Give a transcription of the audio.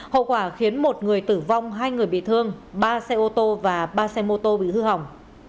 hậu quả khiến một người tử vong hai người bị thương ba xe ô tô và ba xe mô tô bị hư hỏng